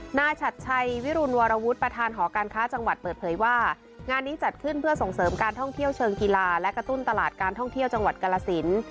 ฉัดชัยวิรุณวรวุฒิประธานหอการค้าจังหวัดเปิดเผยว่างานนี้จัดขึ้นเพื่อส่งเสริมการท่องเที่ยวเชิงกีฬาและกระตุ้นตลาดการท่องเที่ยวจังหวัดกรสิน